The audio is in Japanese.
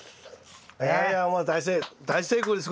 いやいやもう大成功ですこれは。